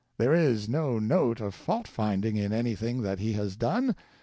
There is no note of fault finding in anything that he has done.